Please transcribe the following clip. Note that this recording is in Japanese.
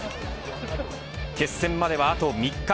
決戦まではあと３日。